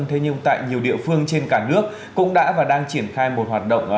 thế nhưng tại nhiều địa phương trên cả nước cũng đã và đang triển khai một hoạt động